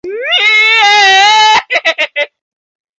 Tuvo tres hijos.